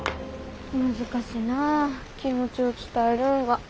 難しなあ気持ちを伝えるんは。